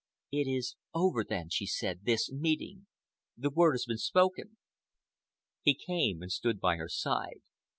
"It is over, then," she said softly, "this meeting. The word has been spoken." He came and stood by her side.